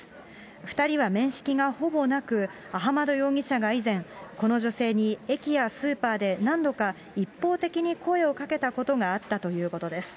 ２人は面識がほぼなく、アハマド容疑者が以前、この女性に駅やスーパーで何度か、一方的に声をかけたことがあったということです。